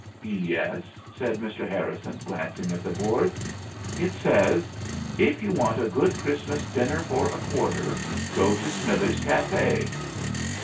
"Yes," said Mr. Harrison, glancing at the boards. "It says 'If You Want a Good Christmas Dinner for a Quarter, Go to Smithers's Café.'"